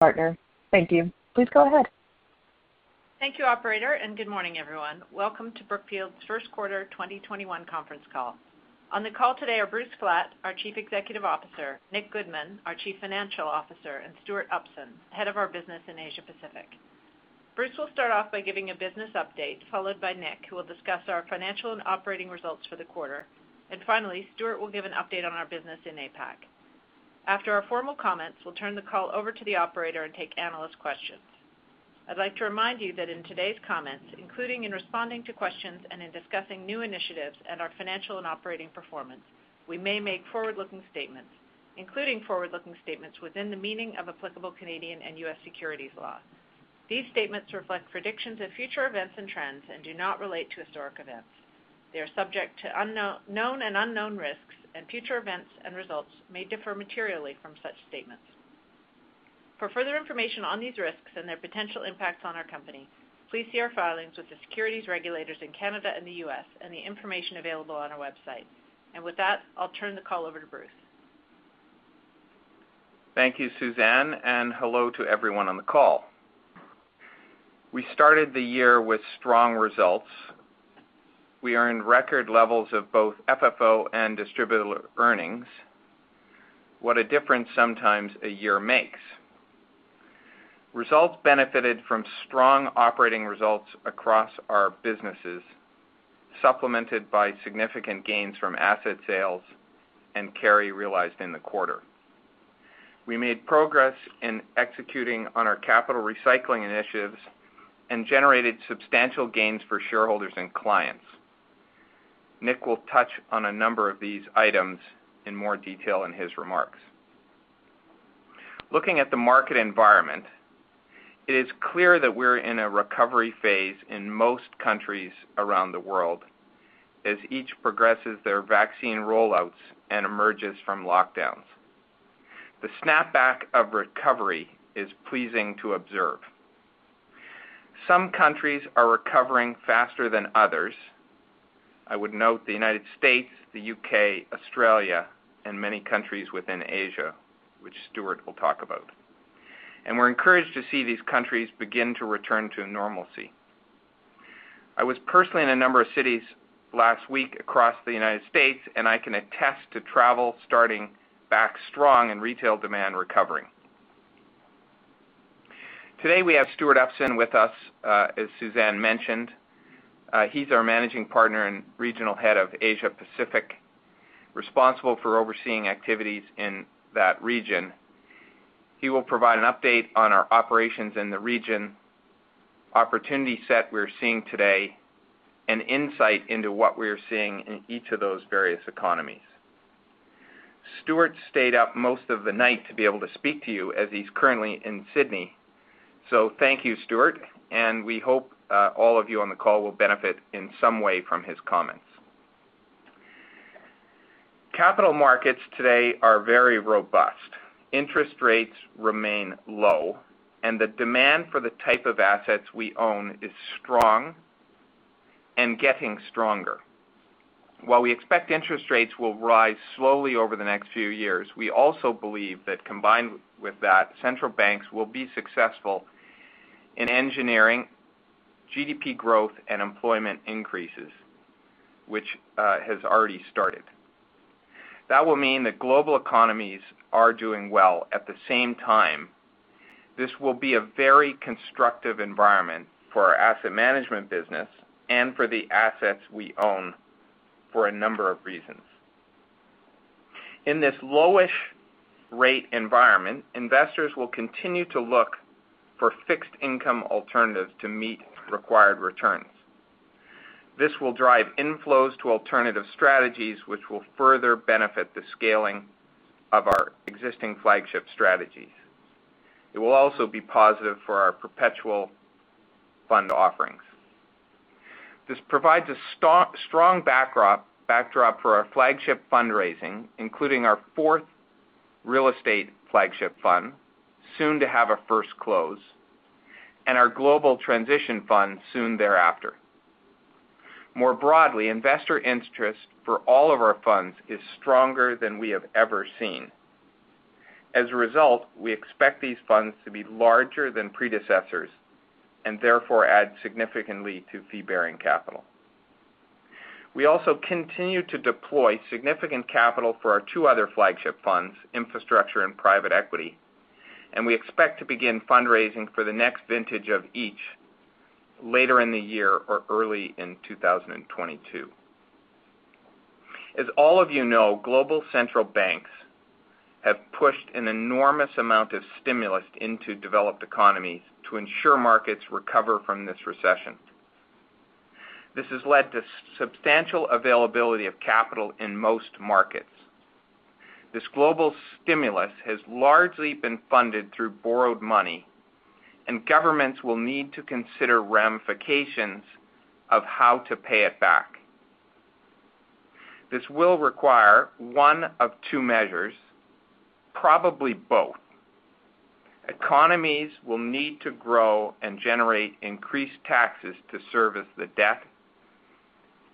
Partner. Thank you. Please go ahead. Thank you operator, and good morning, everyone. Welcome to Brookfield's first quarter 2021 conference call. On the call today are Bruce Flatt, our Chief Executive Officer, Nicholas Goodman, our Chief Financial Officer, and Stewart Upson, head of our business in Asia Pacific. Bruce will start off by giving a business update, followed by Nick, who will discuss our financial and operating results for the quarter. Finally, Stewart will give an update on our business in APAC. After our formal comments, we'll turn the call over to the operator and take analyst questions. I'd like to remind you that in today's comments, including in responding to questions and in discussing new initiatives and our financial and operating performance, we may make forward-looking statements, including forward-looking statements within the meaning of applicable Canadian and U.S. securities law. These statements reflect predictions of future events and trends and do not relate to historic events. They are subject to known and unknown risks, and future events and results may differ materially from such statements. For further information on these risks and their potential impacts on our company, please see our filings with the securities regulators in Canada and the U.S., and the information available on our website. With that, I'll turn the call over to Bruce. Thank you, Suzanne, and hello to everyone on the call. We started the year with strong results. We are in record levels of both FFO and distributable earnings. What a difference sometimes a year makes. Results benefited from strong operating results across our businesses, supplemented by significant gains from asset sales and carry realized in the quarter. We made progress in executing on our capital recycling initiatives and generated substantial gains for shareholders and clients. Nick will touch on a number of these items in more detail in his remarks. Looking at the market environment, it is clear that we're in a recovery phase in most countries around the world as each progresses their vaccine rollouts and emerges from lockdowns. The snapback of recovery is pleasing to observe. Some countries are recovering faster than others. I would note the U.S., the U.K., Australia, and many countries within Asia, which Stewart Upson will talk about. We're encouraged to see these countries begin to return to normalcy. I was personally in a number of cities last week across the U.S., and I can attest to travel starting back strong and retail demand recovering. Today, we have Stewart Upson with us, as Suzanne Fleming mentioned. He's our Managing Partner and Regional Head of Asia Pacific, responsible for overseeing activities in that region. He will provide an update on our operations in the region, opportunity set we're seeing today, and insight into what we are seeing in each of those various economies. Stewart stayed up most of the night to be able to speak to you as he's currently in Sydney. Thank you, Stewart, and we hope all of you on the call will benefit in some way from his comments. Capital markets today are very robust. Interest rates remain low, and the demand for the type of assets we own is strong and getting stronger. While we expect interest rates will rise slowly over the next few years, we also believe that combined with that, central banks will be successful in engineering GDP growth and employment increases, which has already started. That will mean that global economies are doing well at the same time. This will be a very constructive environment for our asset management business and for the assets we own for a number of reasons. In this lowish rate environment, investors will continue to look for fixed income alternatives to meet required returns. This will drive inflows to alternative strategies, which will further benefit the scaling of our existing flagship strategies. It will also be positive for our perpetual fund offerings. This provides a strong backdrop for our flagship fundraising, including our fourth real estate flagship fund, soon to have a first close, and our Global Transition Fund soon thereafter. More broadly, investor interest for all of our funds is stronger than we have ever seen. As a result, we expect these funds to be larger than predecessors, and therefore add significantly to fee-bearing capital. We also continue to deploy significant capital for our two other flagship funds, infrastructure and private equity, and we expect to begin fundraising for the next vintage of each later in the year or early in 2022. As all of you know, global central banks have pushed an enormous amount of stimulus into developed economies to ensure markets recover from this recession. This has led to substantial availability of capital in most markets. This global stimulus has largely been funded through borrowed money, and governments will need to consider ramifications of how to pay it back. This will require one of two measures, probably both. Economies will need to grow and generate increased taxes to service the debt,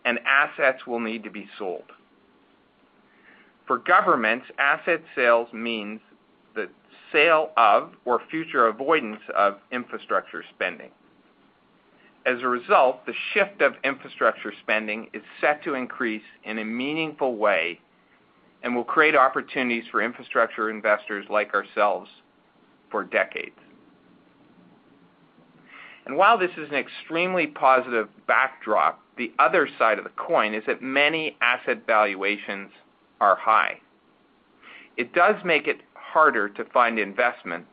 and assets will need to be sold. For governments, asset sales means the sale of or future avoidance of infrastructure spending. As a result, the shift of infrastructure spending is set to increase in a meaningful way and will create opportunities for infrastructure investors like ourselves for decades. While this is an extremely positive backdrop, the other side of the coin is that many asset valuations are high. It does make it harder to find investment,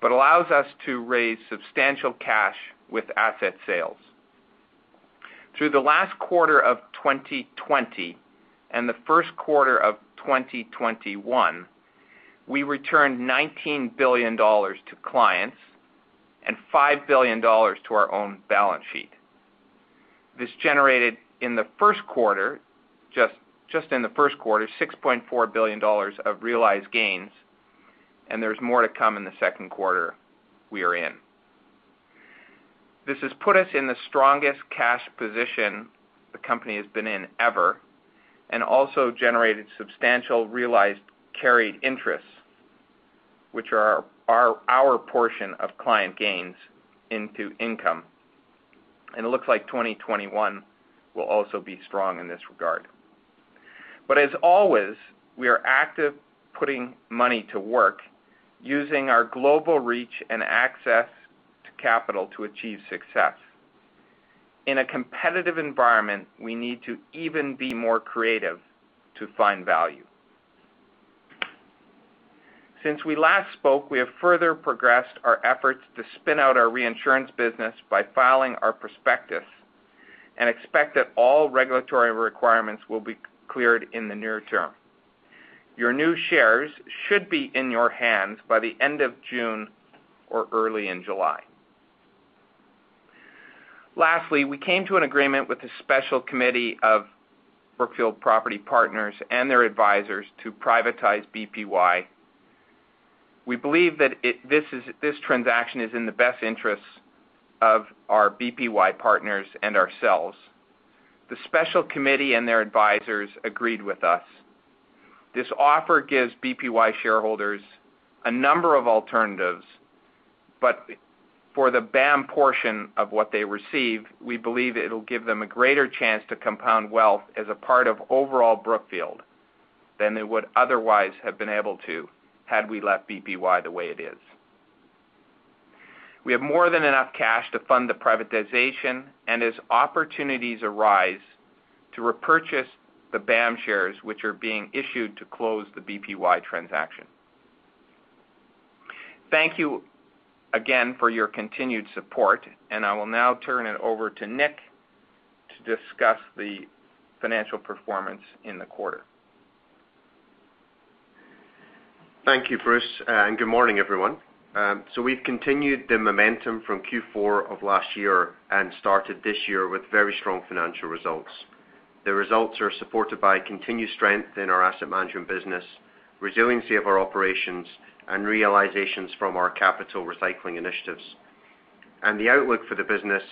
but allows us to raise substantial cash with asset sales. Through the last quarter of 2020 and the first quarter of 2021, we returned $19 billion to clients and $5 billion to our own balance sheet. This generated in the first quarter, just in the first quarter, $6.4 billion of realized gains, and there's more to come in the second quarter we are in. This has put us in the strongest cash position the company has been in ever and also generated substantial realized carried interests, which are our portion of client gains into income. It looks like 2021 will also be strong in this regard. As always, we are active putting money to work using our global reach and access to capital to achieve success. In a competitive environment, we need to even be more creative to find value. Since we last spoke, we have further progressed our efforts to spin out our reinsurance business by filing our prospectus and expect that all regulatory requirements will be cleared in the near term. Your new shares should be in your hands by the end of June or early in July. We came to an agreement with the special committee of Brookfield Property Partners and their advisors to privatize BPY. We believe that this transaction is in the best interest of our BPY partners and ourselves. The special committee and their advisors agreed with us. This offer gives BPY shareholders a number of alternatives, but for the BAM portion of what they receive, we believe it'll give them a greater chance to compound wealth as a part of overall Brookfield than they would otherwise have been able to had we left BPY the way it is. We have more than enough cash to fund the privatization and as opportunities arise, to repurchase the BAM shares, which are being issued to close the BPY transaction. Thank you again for your continued support, and I will now turn it over to Nick to discuss the financial performance in the quarter. Thank you, Bruce, and good morning, everyone. We've continued the momentum from Q4 of last year and started this year with very strong financial results. The results are supported by continued strength in our asset management business, resiliency of our operations, and realizations from our capital recycling initiatives. The outlook for the business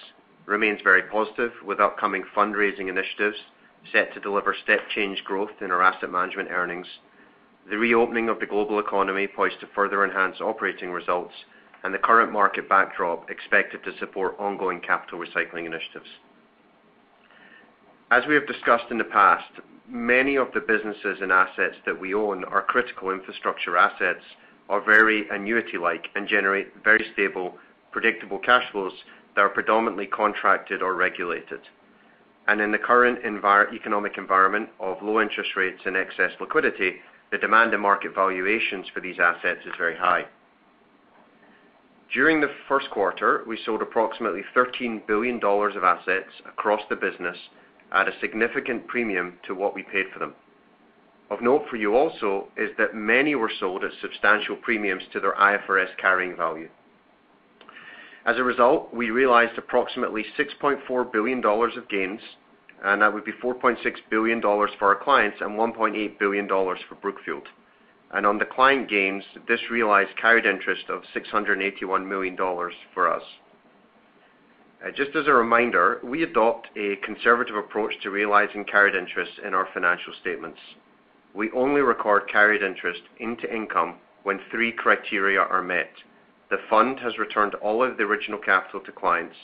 remains very positive with upcoming fundraising initiatives set to deliver step change growth in our asset management earnings, the reopening of the global economy poised to further enhance operating results, and the current market backdrop expected to support ongoing capital recycling initiatives. As we have discussed in the past, many of the businesses and assets that we own are critical infrastructure assets, are very annuity-like, and generate very stable, predictable cash flows that are predominantly contracted or regulated. In the current economic environment of low interest rates and excess liquidity, the demand in market valuations for these assets is very high. During the first quarter, we sold approximately $13 billion of assets across the business at a significant premium to what we paid for them. Of note for you also is that many were sold at substantial premiums to their IFRS carrying value. As a result, we realized approximately $6.4 billion of gains, and that would be $4.6 billion for our clients and $1.8 billion for Brookfield. On the client gains, this realized carried interest of $681 million for us. Just as a reminder, we adopt a conservative approach to realizing carried interest in our financial statements. We only record carried interest into income when three criteria are met: the fund has returned all of the original capital to clients,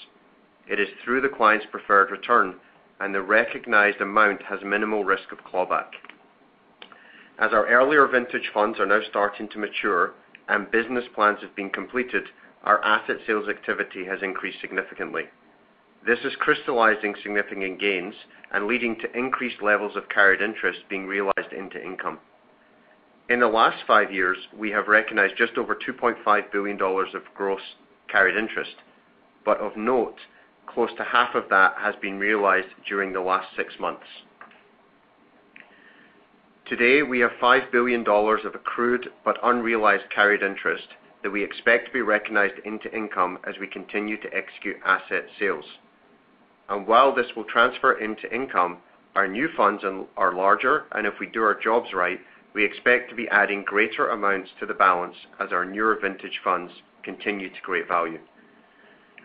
it is through the client's preferred return, and the recognized amount has minimal risk of clawback. As our earlier vintage funds are now starting to mature and business plans have been completed, our asset sales activity has increased significantly. This is crystallizing significant gains and leading to increased levels of carried interest being realized into income. In the last five years, we have recognized just over $2.5 billion of gross carried interest, but of note, close to half of that has been realized during the last six months. Today, we have $5 billion of accrued but unrealized carried interest that we expect to be recognized into income as we continue to execute asset sales. While this will transfer into income, our new funds are larger, and if we do our jobs right, we expect to be adding greater amounts to the balance as our newer vintage funds continue to create value.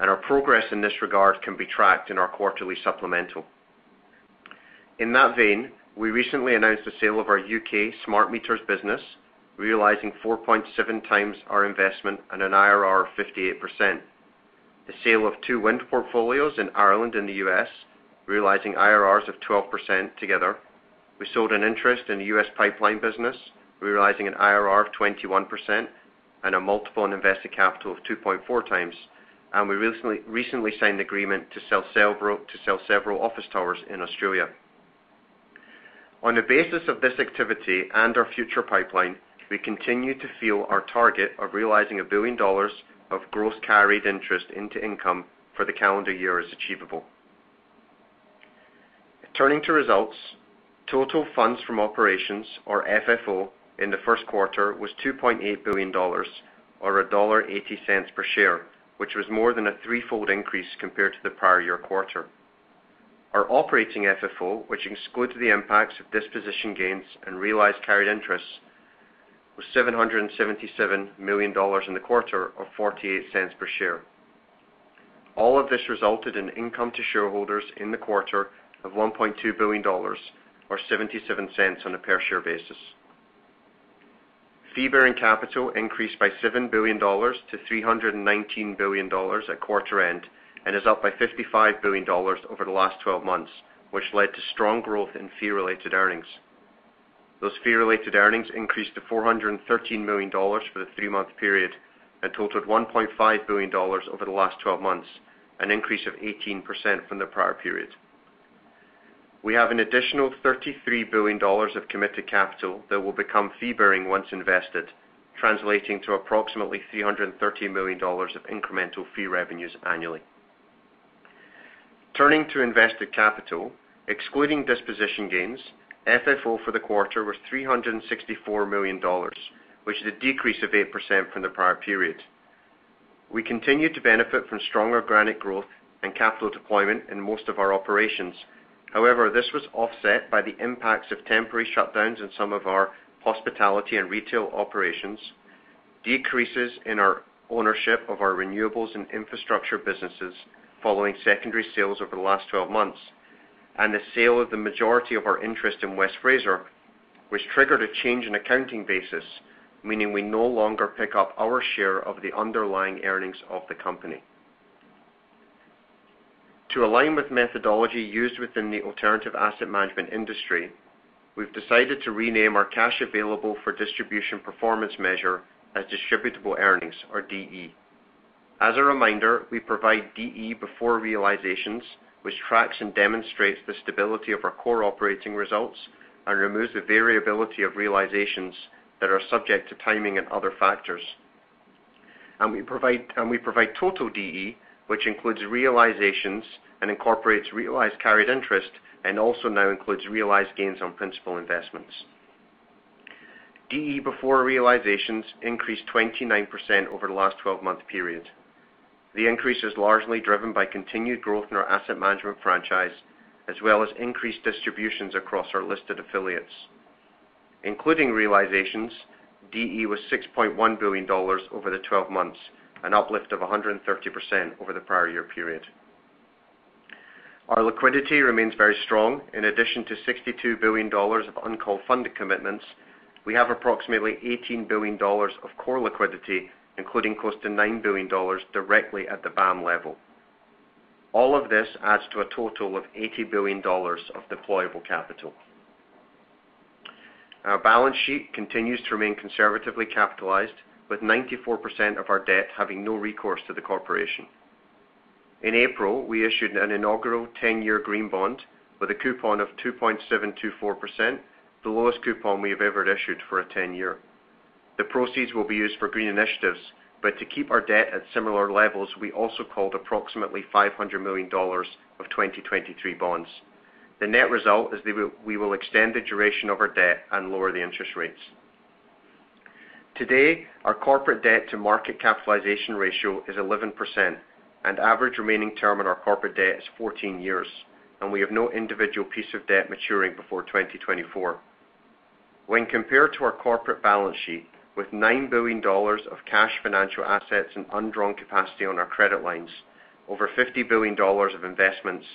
Our progress in this regard can be tracked in our quarterly supplemental. In that vein, we recently announced the sale of our U.K. smart meters business, realizing 4.7x our investment and an IRR of 58%. The sale of two wind portfolios in Ireland and the U.S., realizing IRRs of 12% together. We sold an interest in the U.S. pipeline business, realizing an IRR of 21% and a multiple on invested capital of 2.4x. We recently signed an agreement to sell several office towers in Australia. On the basis of this activity and our future pipeline, we continue to feel our target of realizing $1 billion of gross carried interest into income for the calendar year is achievable. Turning to results. Total Funds from Operations, or FFO, in the first quarter was $2.8 billion, or $1.80 per share, which was more than a threefold increase compared to the prior year quarter. Our operating FFO, which excluded the impacts of disposition gains and realized carried interests, was $777 million in the quarter, or $0.48 per share. All of this resulted in income to shareholders in the quarter of $1.2 billion, or $0.77 on a per share basis. Fee-bearing capital increased by $7 billion to $319 billion at quarter end, and is up by $55 billion over the last 12 months, which led to strong growth in fee-related earnings. Those fee-related earnings increased to $413 million for the three-month period and totaled $1.5 billion over the last 12 months, an increase of 18% from the prior period. We have an additional $33 billion of committed capital that will become fee-bearing once invested, translating to approximately $330 million of incremental fee revenues annually. Turning to invested capital. Excluding disposition gains, FFO for the quarter was $364 million, which is a decrease of 8% from the prior period. We continue to benefit from strong organic growth and capital deployment in most of our operations. However, this was offset by the impacts of temporary shutdowns in some of our hospitality and retail operations, decreases in our ownership of our renewables and infrastructure businesses following secondary sales over the last 12 months, and the sale of the majority of our interest in West Fraser, which triggered a change in accounting basis, meaning we no longer pick up our share of the underlying earnings of the company. To align with methodology used within the alternative asset management industry, we've decided to rename our cash available for distribution performance measure as distributable earnings, or DE. As a reminder, we provide DE before realizations, which tracks and demonstrates the stability of our core operating results and removes the variability of realizations that are subject to timing and other factors. We provide total DE, which includes realizations and incorporates realized carried interest, and also now includes realized gains on principal investments. DE before realizations increased 29% over the last 12-month period. The increase is largely driven by continued growth in our asset management franchise, as well as increased distributions across our listed affiliates. Including realizations, DE was $6.1 billion over the 12 months, an uplift of 130% over the prior year period. Our liquidity remains very strong. In addition to $62 billion of uncalled funded commitments, we have approximately $18 billion of core liquidity, including close to $9 billion directly at the BAM level. All of this adds to a total of $80 billion of deployable capital. Our balance sheet continues to remain conservatively capitalized with 94% of our debt having no recourse to the corporation. In April, we issued an inaugural 10-year green bond with a coupon of 2.724%, the lowest coupon we have ever issued for a 10-year. The proceeds will be used for green initiatives, but to keep our debt at similar levels, we also called approximately $500 million of 2023 bonds. The net result is we will extend the duration of our debt and lower the interest rates. Today, our corporate debt to market capitalization ratio is 11%, and average remaining term on our corporate debt is 14 years, and we have no individual piece of debt maturing before 2024. When compared to our corporate balance sheet, with $9 billion of cash financial assets and undrawn capacity on our credit lines, over $50 billion of investments,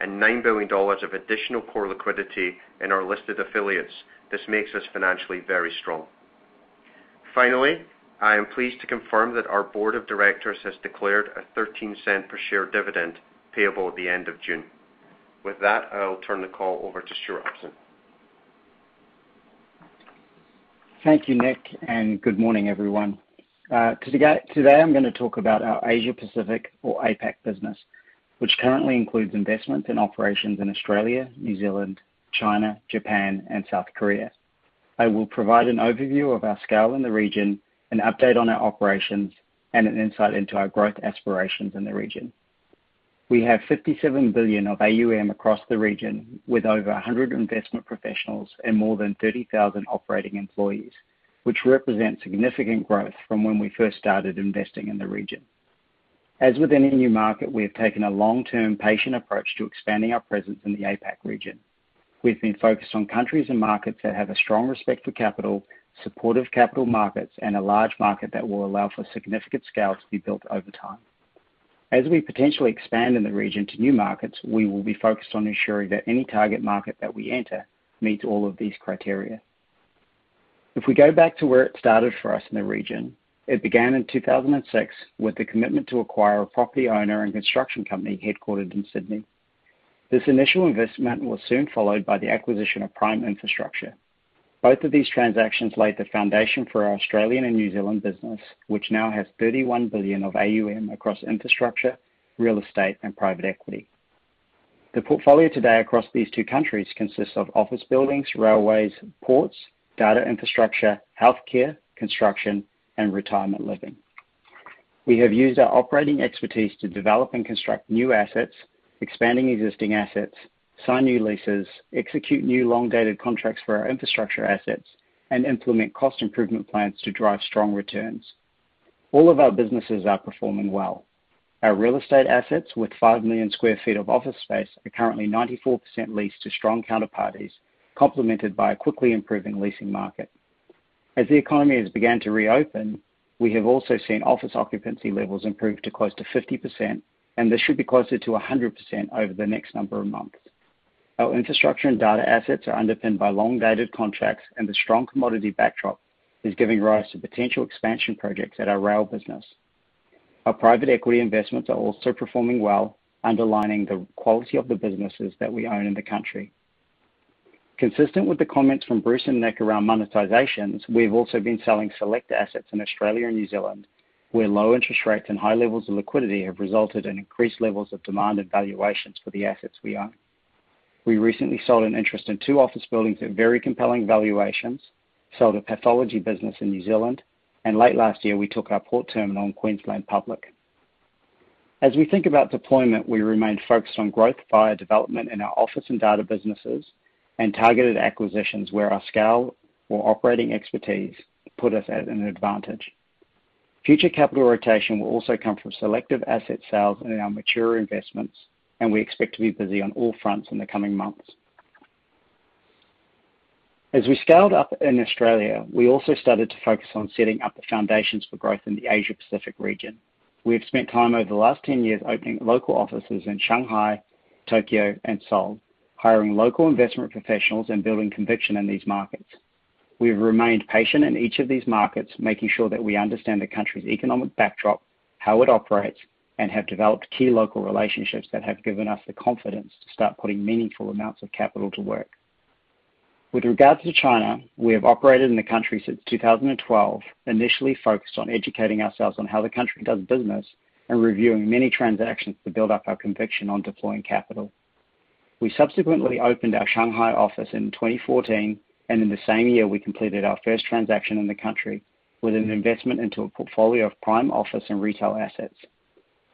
and $9 billion of additional core liquidity in our listed affiliates, this makes us financially very strong. Finally, I am pleased to confirm that our board of directors has declared a $0.13 per share dividend payable at the end of June. With that, I'll turn the call over to Stewart Upson. Thank you, Nick. Good morning, everyone. Today, I'm going to talk about our Asia Pacific, or APAC business, which currently includes investments in operations in Australia, New Zealand, China, Japan, and South Korea. I will provide an overview of our scale in the region, an update on our operations, and an insight into our growth aspirations in the region. We have $57 billion of AUM across the region with over 100 investment professionals and more than 30,000 operating employees, which represent significant growth from when we first started investing in the region. As with any new market, we have taken a long-term patient approach to expanding our presence in the APAC region. We've been focused on countries and markets that have a strong respect for capital, supportive capital markets, and a large market that will allow for significant scale to be built over time. As we potentially expand in the region to new markets, we will be focused on ensuring that any target market that we enter meets all of these criteria. If we go back to where it started for us in the region, it began in 2006 with the commitment to acquire a property owner and construction company headquartered in Sydney. This initial investment was soon followed by the acquisition of Prime Infrastructure. Both of these transactions laid the foundation for our Australian and New Zealand business, which now has $31 billion of AUM across infrastructure, real estate, and private equity. The portfolio today across these two countries consists of office buildings, railways, ports, data infrastructure, healthcare, construction, and retirement living. We have used our operating expertise to develop and construct new assets, expanding existing assets, sign new leases, execute new long-dated contracts for our infrastructure assets, and implement cost improvement plans to drive strong returns. All of our businesses are performing well. Our real estate assets, with 5 million sq ft of office space, are currently 94% leased to strong counterparties, complemented by a quickly improving leasing market. As the economy has begun to reopen, we have also seen office occupancy levels improve to close to 50%, and this should be closer to 100% over the next number of months. Our infrastructure and data assets are underpinned by long-dated contracts, and the strong commodity backdrop is giving rise to potential expansion projects at our rail business. Our private equity investments are also performing well, underlining the quality of the businesses that we own in the country. Consistent with the comments from Bruce and Nick around monetizations, we've also been selling select assets in Australia and New Zealand, where low interest rates and high levels of liquidity have resulted in increased levels of demand and valuations for the assets we own. We recently sold an interest in two office buildings at very compelling valuations, sold a pathology business in New Zealand, and late last year, we took our port terminal in Queensland public. As we think about deployment, we remain focused on growth via development in our office and data businesses and targeted acquisitions where our scale or operating expertise put us at an advantage. Future capital rotation will also come from selective asset sales in our mature investments, and we expect to be busy on all fronts in the coming months. As we scaled up in Australia, we also started to focus on setting up the foundations for growth in the Asia Pacific region. We have spent time over the last 10 years opening local offices in Shanghai, Tokyo, and Seoul, hiring local investment professionals and building conviction in these markets. We've remained patient in each of these markets, making sure that we understand the country's economic backdrop, how it operates, and have developed key local relationships that have given us the confidence to start putting meaningful amounts of capital to work. With regards to China, we have operated in the country since 2012, initially focused on educating ourselves on how the country does business and reviewing many transactions to build up our conviction on deploying capital. We subsequently opened our Shanghai office in 2014. In the same year, we completed our first transaction in the country with an investment into a portfolio of prime office and retail assets.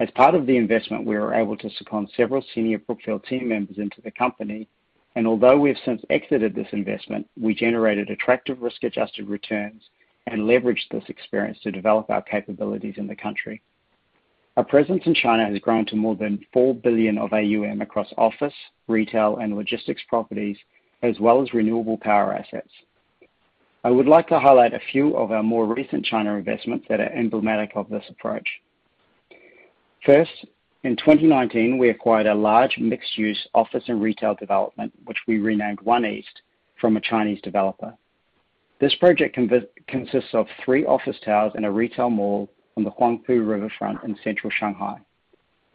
As part of the investment, we were able to support several senior Brookfield team members into the company. Although we have since exited this investment, we generated attractive risk-adjusted returns and leveraged this experience to develop our capabilities in the country. Our presence in China has grown to more than $4 billion of AUM across office, retail, and logistics properties, as well as renewable power assets. I would like to highlight a few of our more recent China investments that are emblematic of this approach. First, in 2019, we acquired a large mixed-use office and retail development, which we renamed One East, from a Chinese developer. This project consists of three office towers and a retail mall on the Huangpu River front in central Shanghai.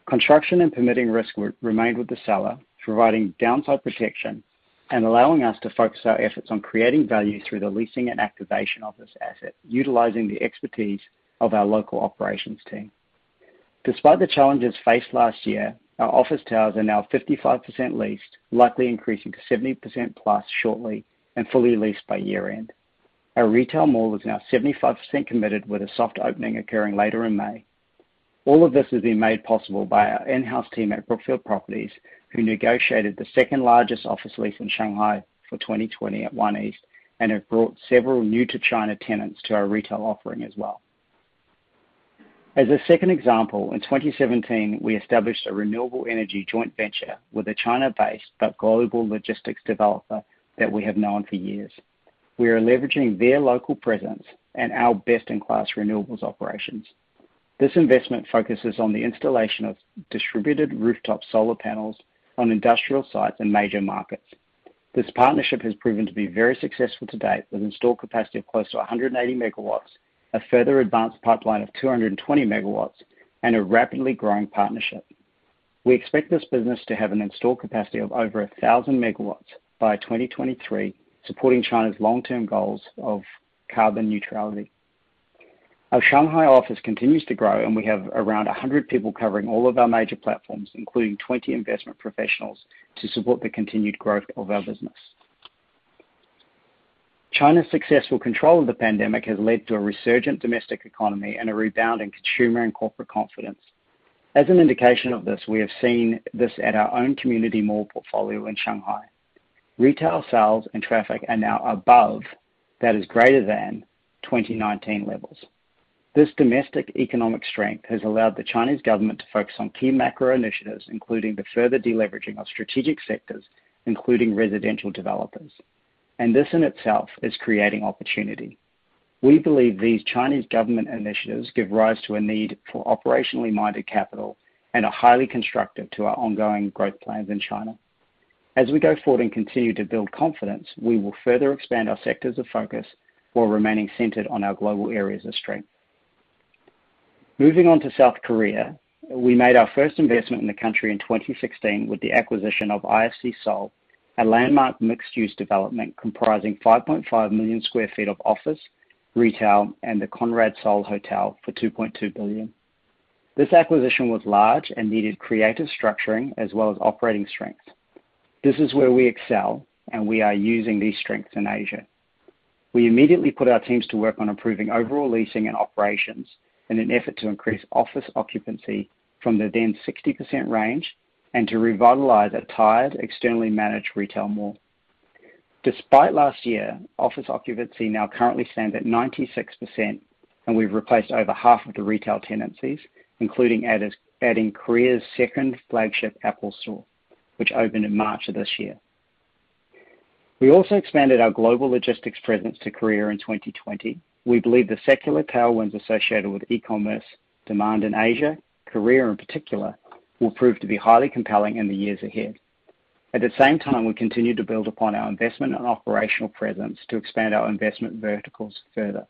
Construction and permitting risk remained with the seller, providing downside protection and allowing us to focus our efforts on creating value through the leasing and activation of this asset, utilizing the expertise of our local operations team. Despite the challenges faced last year, our office towers are now 55% leased, likely increasing to 70% plus shortly and fully leased by year-end. Our retail mall is now 75% committed, with a soft opening occurring later in May. All of this has been made possible by our in-house team at Brookfield Properties, who negotiated the second-largest office lease in Shanghai for 2020 at One East and have brought several new to China tenants to our retail offering as well. As a second example, in 2017, we established a renewable energy joint venture with a China-based but global logistics developer that we have known for years. We are leveraging their local presence and our best-in-class renewables operations. This investment focuses on the installation of distributed rooftop solar panels on industrial sites and major markets. This partnership has proven to be very successful to date, with installed capacity of close to 180 MW, a further advanced pipeline of 220 megawatts, and a rapidly growing partnership. We expect this business to have an installed capacity of over 1,000 MW by 2023, supporting China's long-term goals of carbon neutrality. Our Shanghai office continues to grow, and we have around 100 people covering all of our major platforms, including 20 investment professionals, to support the continued growth of our business. China's successful control of the pandemic has led to a resurgent domestic economy and a rebound in consumer and corporate confidence. As an indication of this, we have seen this at our own community mall portfolio in Shanghai. Retail sales and traffic are now above, that is greater than, 2019 levels. This domestic economic strength has allowed the Chinese government to focus on key macro initiatives, including the further de-leveraging of strategic sectors, including residential developers. This in itself is creating opportunity. We believe these Chinese government initiatives give rise to a need for operationally minded capital and are highly constructive to our ongoing growth plans in China. As we go forward and continue to build confidence, we will further expand our sectors of focus while remaining centered on our global areas of strength. Moving on to South Korea, we made our first investment in the country in 2016 with the acquisition of IFC Seoul, a landmark mixed-use development comprising 5.5 million sq ft of office, retail, and the Conrad Seoul Hotel for $2.2 billion. This acquisition was large and needed creative structuring as well as operating strength. This is where we excel, and we are using these strengths in Asia. We immediately put our teams to work on improving overall leasing and operations in an effort to increase office occupancy from the then 60% range and to revitalize a tired, externally managed retail mall. Despite last year, office occupancy now currently stands at 96%, and we've replaced over half of the retail tenancies, including adding Korea's second flagship Apple Store, which opened in March of this year. We also expanded our global logistics presence to Korea in 2020. We believe the secular tailwinds associated with e-commerce demand in Asia, Korea in particular, will prove to be highly compelling in the years ahead. At the same time, we continue to build upon our investment and operational presence to expand our investment verticals further,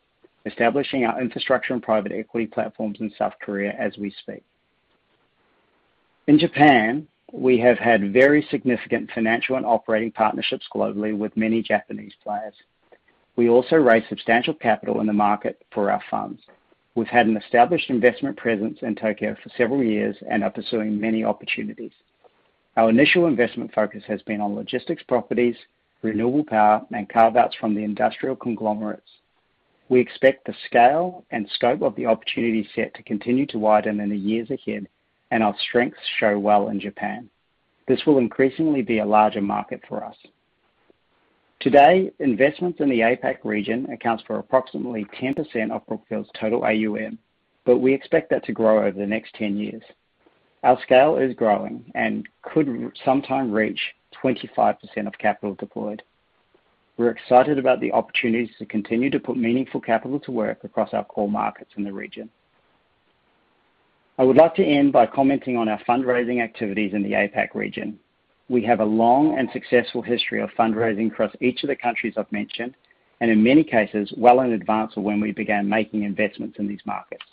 establishing our infrastructure and private equity platforms in South Korea as we speak. In Japan, we have had very significant financial and operating partnerships globally with many Japanese players. We also raise substantial capital in the market for our funds. We've had an established investment presence in Tokyo for several years and are pursuing many opportunities. Our initial investment focus has been on logistics properties, renewable power, and carve-outs from the industrial conglomerates. We expect the scale and scope of the opportunity set to continue to widen in the years ahead, and our strengths show well in Japan. This will increasingly be a larger market for us. Today, investments in the APAC region accounts for approximately 10% of Brookfield's total AUM. We expect that to grow over the next 10 years. Our scale is growing and could sometime reach 25% of capital deployed. We're excited about the opportunities to continue to put meaningful capital to work across our core markets in the region. I would like to end by commenting on our fundraising activities in the APAC region. We have a long and successful history of fundraising across each of the countries I've mentioned, and in many cases, well in advance of when we began making investments in these markets.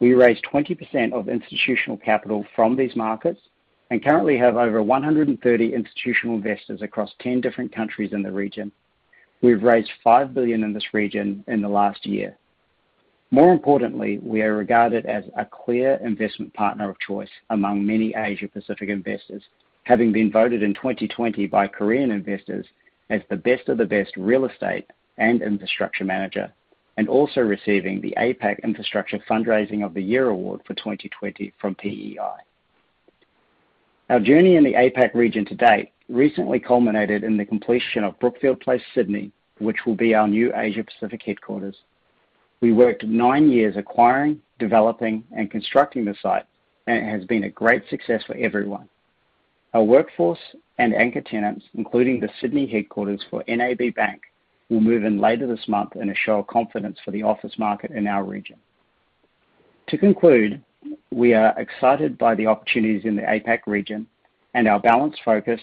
We raised 20% of institutional capital from these markets and currently have over 130 institutional investors across 10 different countries in the region. We've raised $5 billion in this region in the last year. More importantly, we are regarded as a clear investment partner of choice among many Asia Pacific investors, having been voted in 2020 by Korean investors as the best of the best real estate and infrastructure manager, and also receiving the APAC Infrastructure Fundraising of the Year Award for 2020 from PEI. Our journey in the APAC region to date recently culminated in the completion of Brookfield Place Sydney, which will be our new Asia Pacific headquarters. We worked nine years acquiring, developing, and constructing the site, and it has been a great success for everyone. Our workforce and anchor tenants, including the Sydney headquarters for NAB Bank, will move in later this month in a show of confidence for the office market in our region. To conclude, we are excited by the opportunities in the APAC region and our balanced focus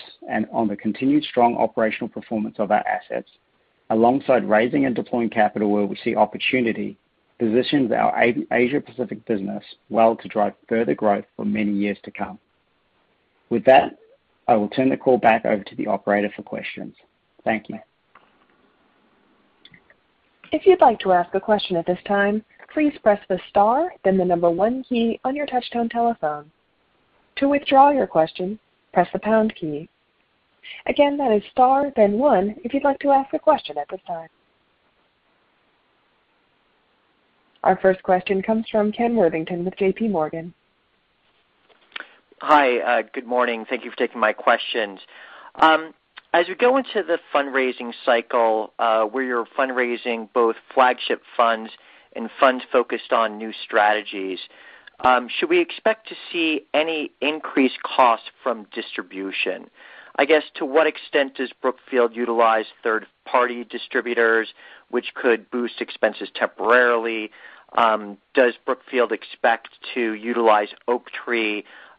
on the continued strong operational performance of our assets. Alongside raising and deploying capital where we see opportunity positions our Asia Pacific business well to drive further growth for many years to come. With that, I will turn the call back over to the operator for questions. Thank you. If you'd like to ask a question at this time, please press the star then the number one key on your touchtone telephone. To withdraw your question, press the pound key. Again, that is star then one if you'd like to ask a question at this time. Our first question comes from Kenneth Worthington with J.P. Morgan. Hi. Good morning. Thank you for taking my questions. As we go into the fundraising cycle, where you're fundraising both flagship funds and funds focused on new strategies, should we expect to see any increased cost from distribution? I guess, to what extent does Brookfield utilize third-party distributors which could boost expenses temporarily? Does Brookfield expect to utilize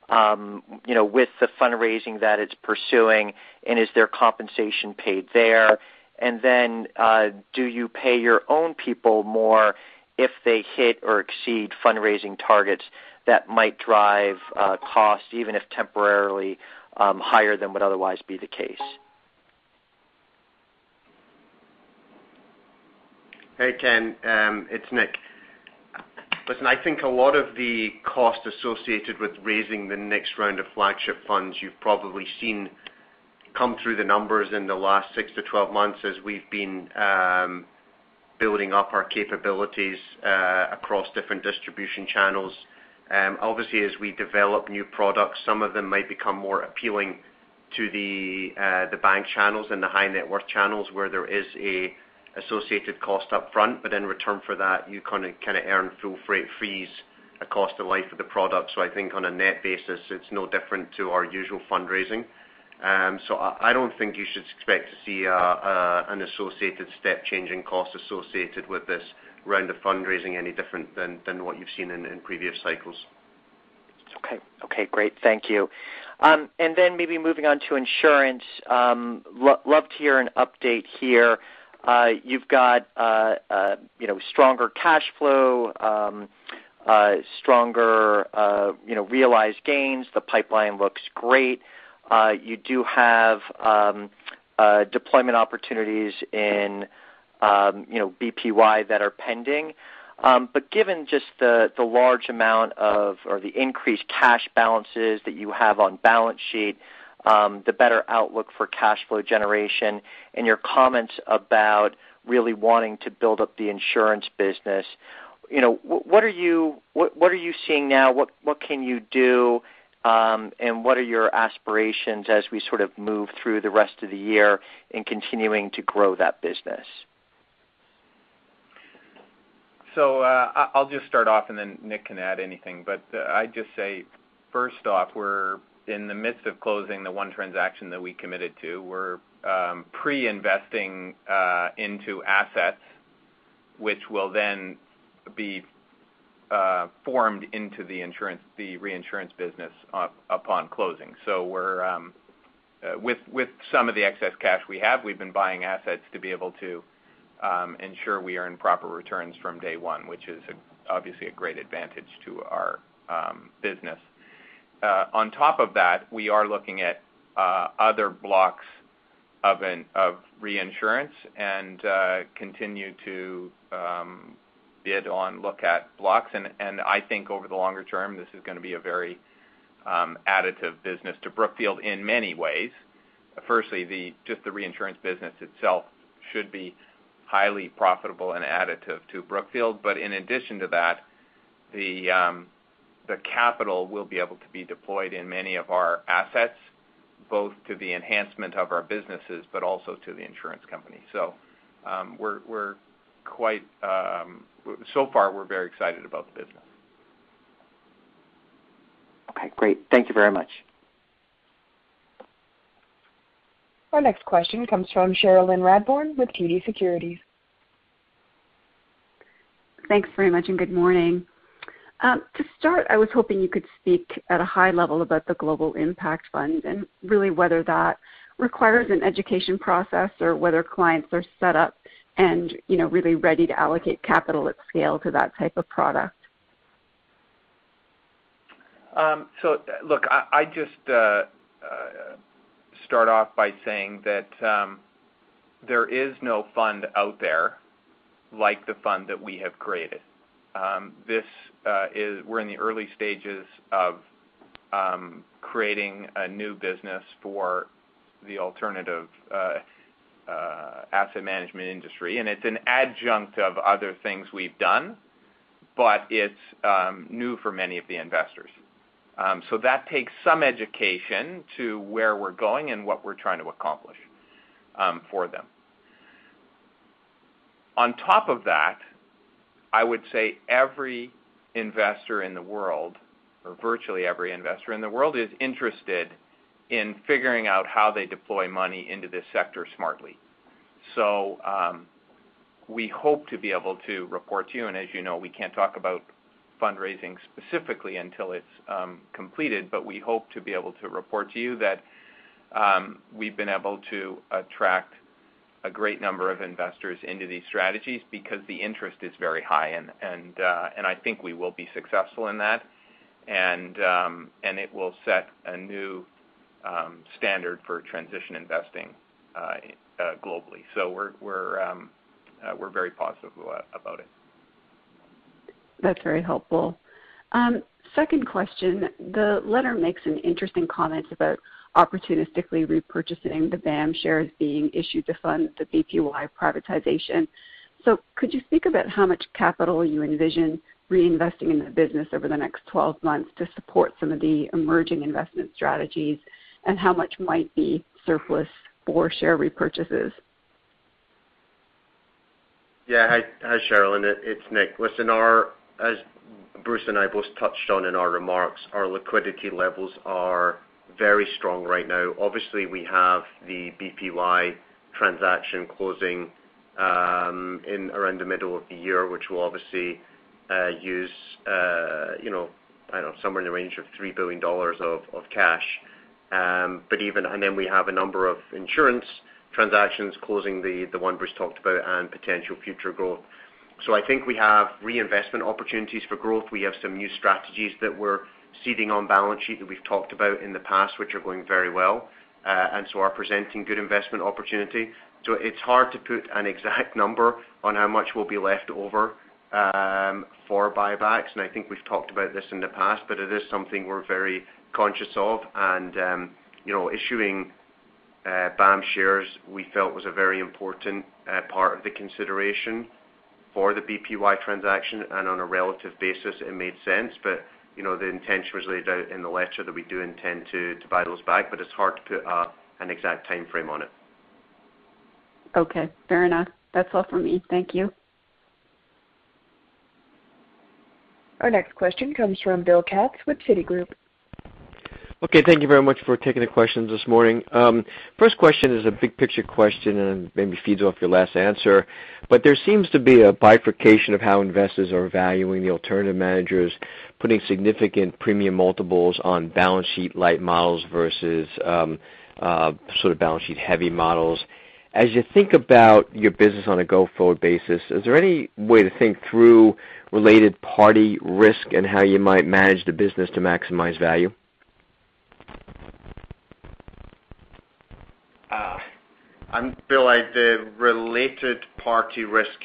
Oaktree with the fundraising that it's pursuing, and is there compensation paid there? Do you pay your own people more if they hit or exceed fundraising targets that might drive costs, even if temporarily higher than would otherwise be the case? Hey, Ken. It's Nick. Listen, I think a lot of the cost associated with raising the next round of flagship funds you've probably seen come through the numbers in the last six to 12 months as we've been building up our capabilities across different distribution channels. Obviously, as we develop new products, some of them might become more appealing. To the bank channels and the high net worth channels where there is associated cost upfront, but in return for that, you earn full freight fees cost of life of the product. I think on a net basis, it's no different to our usual fundraising. I don't think you should expect to see an associated step change in cost associated with this round of fundraising any different than what you've seen in previous cycles. Okay. Great. Thank you. Maybe moving on to insurance. Loved to hear an update here. You've got stronger cash flow, stronger realized gains. The pipeline looks great. You do have deployment opportunities in BPY that are pending. Given just the increased cash balances that you have on balance sheet, the better outlook for cash flow generation, and your comments about really wanting to build up the insurance business, what are you seeing now? What can you do? What are your aspirations as we sort of move through the rest of the year in continuing to grow that business? I'll just start off, and then Nick can add anything. I'd just say, first off, we're in the midst of closing the one transaction that we committed to. We're pre-investing into assets, which will then be formed into the reinsurance business upon closing. With some of the excess cash we have, we've been buying assets to be able to ensure we earn proper returns from day one, which is obviously a great advantage to our business. On top of that, we are looking at other blocks of reinsurance and continue to bid on look-at blocks. I think over the longer term, this is going to be a very additive business to Brookfield in many ways. Firstly, just the reinsurance business itself should be highly profitable and additive to Brookfield. In addition to that, the capital will be able to be deployed in many of our assets, both to the enhancement of our businesses, but also to the insurance company. So far, we're very excited about the business. Okay, great. Thank you very much. Our next question comes from Cherilyn Radbourne with TD Securities. Thanks very much. Good morning. To start, I was hoping you could speak at a high level about the Brookfield Global Transition Fund and really whether that requires an education process or whether clients are set up and really ready to allocate capital at scale to that type of product. Look, I'd just start off by saying that there is no fund out there like the fund that we have created. We're in the early stages of creating a new business for the alternative asset management industry, and it's an adjunct of other things we've done, but it's new for many of the investors. That takes some education to where we're going and what we're trying to accomplish for them. On top of that, I would say every investor in the world, or virtually every investor in the world, is interested in figuring out how they deploy money into this sector smartly. We hope to be able to report to you, and as you know, we can't talk about fundraising specifically until it's completed, but we hope to be able to report to you that we've been able to attract a great number of investors into these strategies because the interest is very high. I think we will be successful in that. It will set a new standard for transition investing globally. We're very positive about it. That's very helpful. Second question. The letter makes an interesting comment about opportunistically repurchasing the BAM shares being issued to fund the BPY privatization. Could you speak about how much capital you envision reinvesting in the business over the next 12 months to support some of the emerging investment strategies, and how much might be surplus for share repurchases? Yeah. Hi, Cherilyn. It's Nick. Listen, as Bruce and I both touched on in our remarks, our liquidity levels are very strong right now. We have the BPY transaction closing in around the middle of the year, which will obviously use somewhere in the range of $3 billion of cash. We have a number of insurance transactions closing, the one Bruce talked about, and potential future growth. I think we have reinvestment opportunities for growth. We have some new strategies that we're seeding on balance sheet that we've talked about in the past, which are going very well. Are presenting good investment opportunity. It's hard to put an exact number on how much will be left over for buybacks. I think we've talked about this in the past, but it is something we're very conscious of. Issuing BAM shares, we felt was a very important part of the consideration for the BPY transaction, and on a relative basis, it made sense. The intention was laid out in the letter that we do intend to buy those back, but it's hard to put an exact timeframe on it. Okay, fair enough. That's all for me. Thank you. Our next question comes from Bill Katz with Citigroup. Okay. Thank you very much for taking the questions this morning. First question is a big picture question, and maybe feeds off your last answer. There seems to be a bifurcation of how investors are valuing the alternative managers, putting significant premium multiples on balance sheet light models versus sort of balance sheet heavy models. As you think about your business on a go-forward basis, is there any way to think through related party risk and how you might manage the business to maximize value? Bill, the related party risk,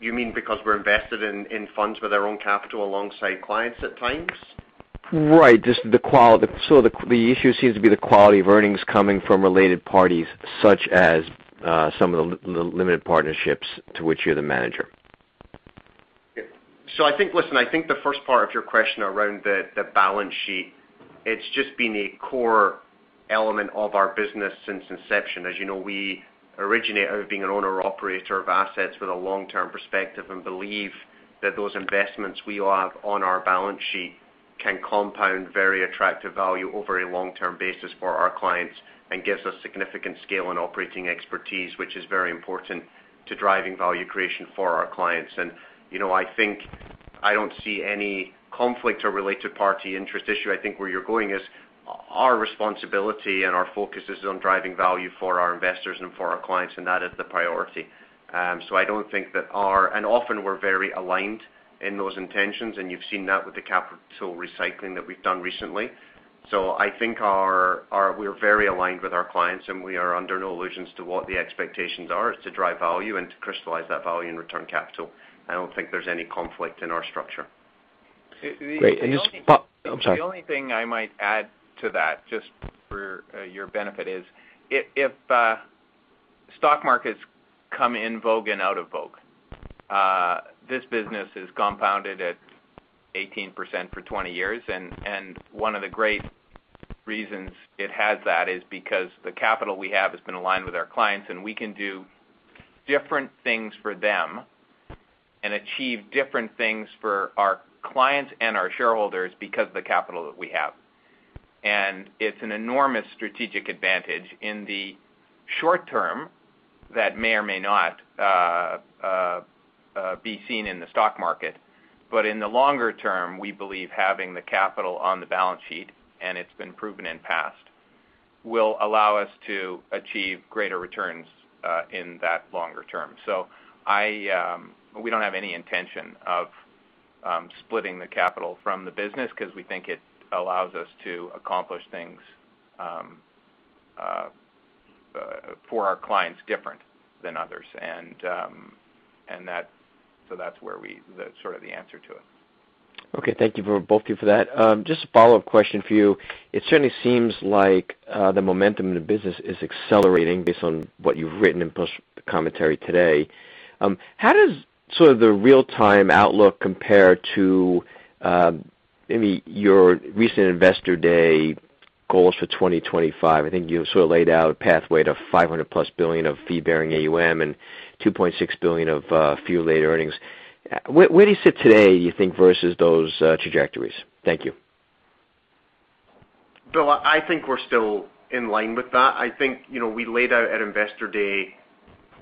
you mean because we're invested in funds with our own capital alongside clients at times? Right. The issue seems to be the quality of earnings coming from related parties, such as some of the limited partnerships to which you're the manager. I think, listen, I think the first part of your question around the balance sheet, it's just been a core element of our business since inception. As you know, we originate out of being an owner-operator of assets with a long-term perspective and believe that those investments we have on our balance sheet can compound very attractive value over a long-term basis for our clients and gives us significant scale and operating expertise, which is very important to driving value creation for our clients. I think I don't see any conflict or related party interest issue. I think where you're going is our responsibility and our focus is on driving value for our investors and for our clients, and that is the priority. I don't think that and often we're very aligned in those intentions, and you've seen that with the capital recycling that we've done recently. I think we're very aligned with our clients, and we are under no illusions to what the expectations are, is to drive value and to crystallize that value and return capital. I don't think there's any conflict in our structure. Great. Oh, I'm sorry. The only thing I might add to that, just for your benefit is, if stock markets come in vogue and out of vogue. This business has compounded at 18% for 20 years, and one of the great reasons it has that is because the capital we have has been aligned with our clients, and we can do different things for them and achieve different things for our clients and our shareholders because of the capital that we have. It's an enormous strategic advantage in the short term that may or may not be seen in the stock market. In the longer term, we believe having the capital on the balance sheet, and it's been proven in past, will allow us to achieve greater returns in that longer term. We don't have any intention of splitting the capital from the business because we think it allows us to accomplish things for our clients different than others. That's sort of the answer to it. Okay. Thank you for both of you for that. Just a follow-up question for you. It certainly seems like the momentum in the business is accelerating based on what you've written in plus the commentary today. How does sort of the real-time outlook compare to maybe your recent investor day goals for 2025? I think you sort of laid out a pathway to $500+ billion of fee-bearing AUM and $2.6 billion of fee-related earnings. Where do you sit today, you think, versus those trajectories? Thank you. Bill, I think we're still in line with that. I think we laid out at Investor Day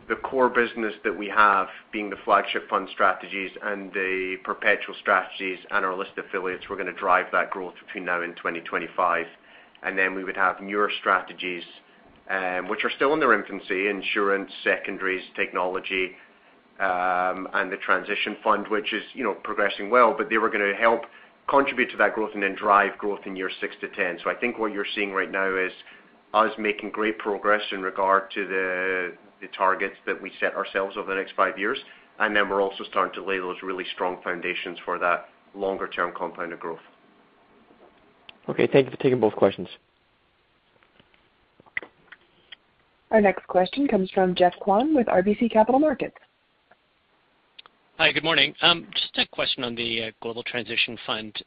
the core business that we have being the flagship fund strategies and the perpetual strategies and our list of affiliates were going to drive that growth between now and 2025. We would have newer strategies, which are still in their infancy, insurance, secondaries, technology, and the Transition Fund, which is progressing well. They were going to help contribute to that growth and then drive growth in year six to 10. I think what you're seeing right now is us making great progress in regard to the targets that we set ourselves over the next five years. We're also starting to lay those really strong foundations for that longer term compounded growth. Okay. Thank you for taking both questions. Our next question comes from Geoffrey Kwan with RBC Capital Markets. Hi. Good morning. Just a question on the Brookfield Global Transition Fund.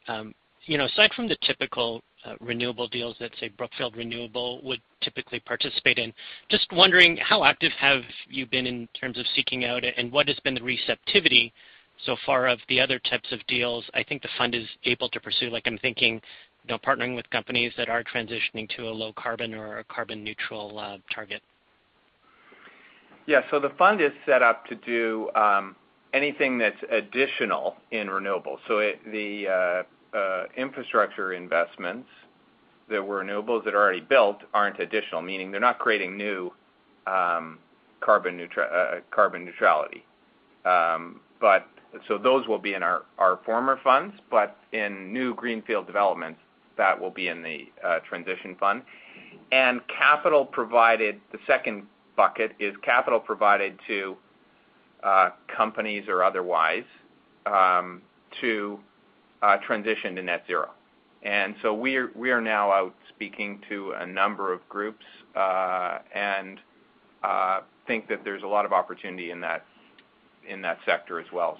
Aside from the typical renewable deals that, say, Brookfield Renewable would typically participate in, just wondering how active have you been in terms of seeking out, and what has been the receptivity so far of the other types of deals I think the fund is able to pursue? Like, I'm thinking partnering with companies that are transitioning to a low carbon or a carbon neutral target. The fund is set up to do anything that's additional in renewables. The infrastructure investments that were renewables that are already built aren't additional, meaning they're not creating new carbon neutrality. Those will be in our former funds, but in new greenfield developments, that will be in the transition fund. Capital provided, the second bucket is capital provided to companies or otherwise, to transition to net zero. We are now out speaking to a number of groups, and think that there's a lot of opportunity in that sector as well.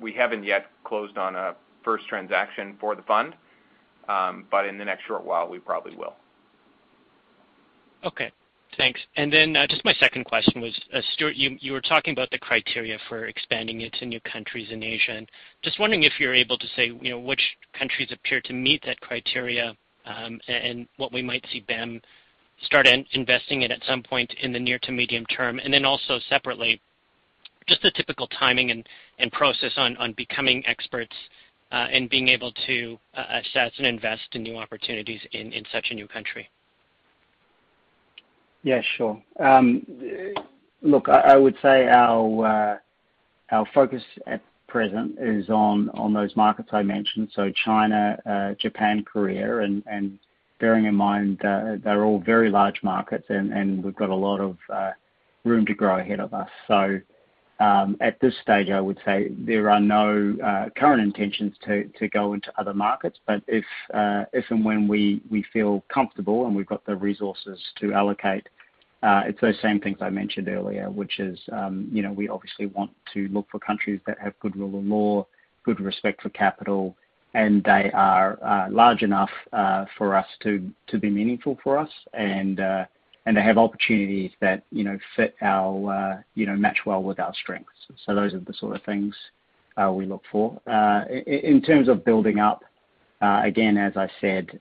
We haven't yet closed on a first transaction for the fund. In the next short while, we probably will. Okay, thanks. Just my second question was, Stewart, you were talking about the criteria for expanding it to new countries in Asia, and just wondering if you're able to say, which countries appear to meet that criteria, and what we might see BAM start investing in at some point in the near to medium term. Also separately, just the typical timing and process on becoming experts, and being able to assess and invest in new opportunities in such a new country. Yeah, sure. Look, I would say our focus at present is on those markets I mentioned, so China, Japan, Korea, and bearing in mind they're all very large markets and we've got a lot of room to grow ahead of us. At this stage, I would say there are no current intentions to go into other markets, but if and when we feel comfortable and we've got the resources to allocate, it's those same things I mentioned earlier, which is we obviously want to look for countries that have good rule of law, good respect for capital, and they are large enough for us to be meaningful for us and they have opportunities that match well with our strengths. Those are the sort of things we look for. In terms of building up, again, as I said,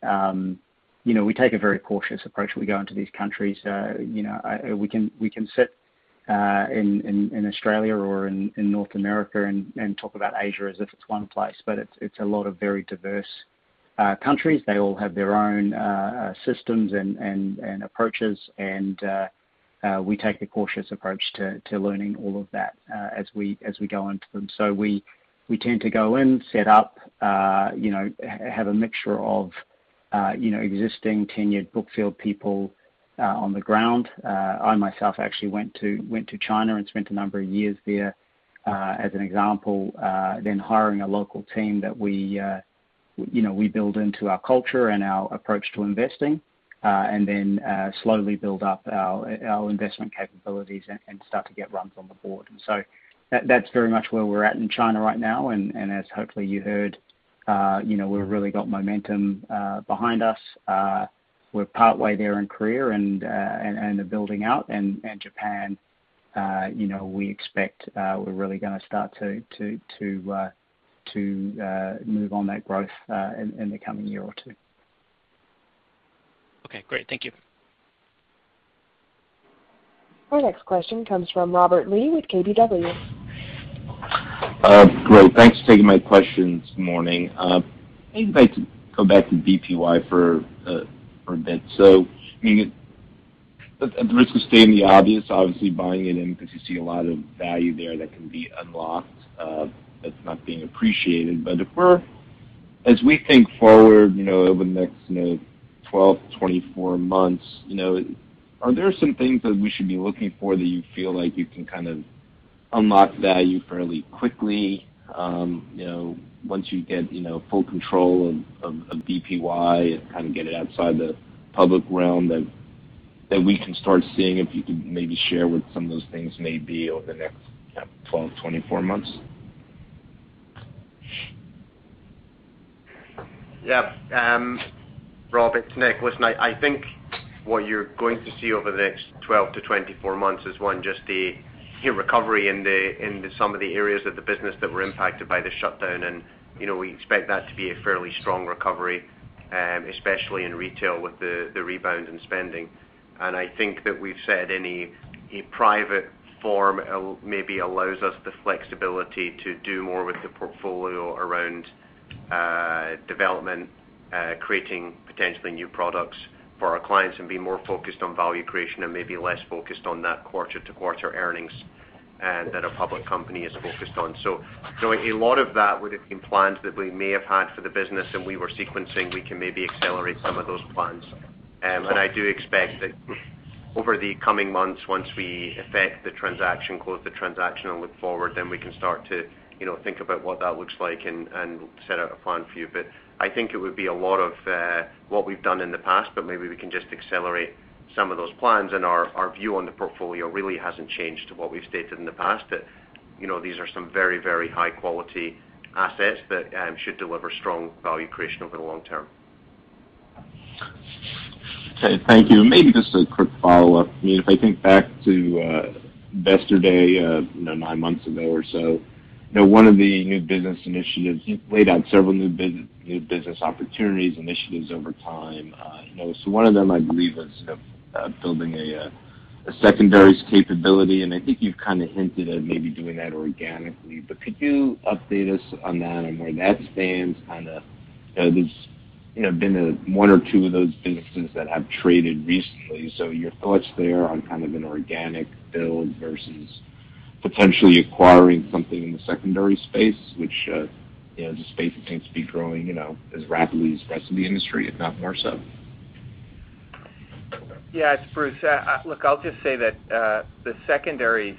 we take a very cautious approach when we go into these countries. We can sit in Australia or in North America and talk about Asia as if it's one place, but it's a lot of very diverse countries. They all have their own systems and approaches, and we take a cautious approach to learning all of that as we go into them. We tend to go in, set up, have a mixture of existing tenured Brookfield people on the ground. I myself actually went to China and spent a number of years there, as an example, then hiring a local team that we build into our culture and our approach to investing. Then slowly build up our investment capabilities and start to get runs on the board. That's very much where we're at in China right now. As hopefully you heard, we've really got momentum behind us. We're partway there in Korea and are building out. Japan, we expect we're really going to start to move on that growth in the coming year or two. Okay, great. Thank you. Our next question comes from Robert Lee with KBW. Great. Thanks for taking my question this morning. Maybe if I could go back to BPY for a bit. At the risk of stating the obvious, obviously buying it in because you see a lot of value there that can be unlocked, that's not being appreciated. As we think forward, over the next 12-24 months, are there some things that we should be looking for that you feel like you can unlock value fairly quickly? Once you get full control of BPY and get it outside the public realm that we can start seeing if you could maybe share what some of those things may be over the next 12, 24 months? Yeah. Robert, it's Nicholas. Listen, I think what you're going to see over the next 12-24 months is one, just the recovery in some of the areas of the business that were impacted by the shutdown. We expect that to be a fairly strong recovery, especially in retail with the rebound in spending. I think that we've said in a private form, maybe allows us the flexibility to do more with the portfolio around development, creating potentially new products for our clients and being more focused on value creation and maybe less focused on that quarter-to-quarter earnings that a public company is focused on. A lot of that would have been plans that we may have had for the business, and we were sequencing, we can maybe accelerate some of those plans. I do expect that over the coming months, once we effect the transaction, close the transaction, and look forward, then we can start to think about what that looks like and set out a plan for you. I think it would be a lot of what we've done in the past, but maybe we can just accelerate some of those plans, and our view on the portfolio really hasn't changed to what we've stated in the past, that these are some very high quality assets that should deliver strong value creation over the long term. Okay, thank you. Maybe just a quick follow-up. If I think back to Investor Day, nine months ago or so, one of the new business initiatives, you've laid out several new business opportunities, initiatives over time. One of them I believe was building a secondaries capability, and I think you've hinted at maybe doing that organically, but could you update us on that and where that stands? There's been one or two of those businesses that have traded recently. Your thoughts there on an organic build versus potentially acquiring something in the secondary space, which is a space that seems to be growing as rapidly as the rest of the industry, if not more so. It's Bruce. Look, I'll just say that the secondary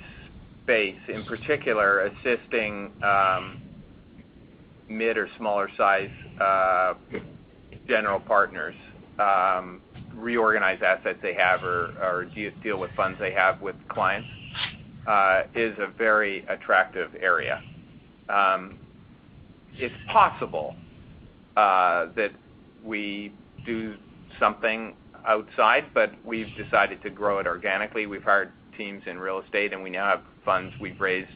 space, in particular, assisting mid or smaller size general partners reorganize assets they have or deal with funds they have with clients is a very attractive area. It's possible that we do something outside, but we've decided to grow it organically. We've hired teams in real estate, and we now have funds we've raised